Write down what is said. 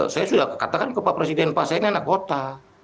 saya sudah katakan ke pak presiden pak saya ini anak kota